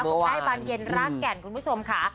ค่ายบานเย็นรากแก่นคุณผู้ชมค่ะ